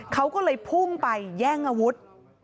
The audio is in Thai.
เขาก็เลยพุ่งไปแย่งอาวุธ